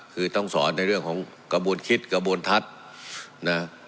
คือต้องสอนในเรื่องของกระบวนคิดกระบวนทัศน์นะ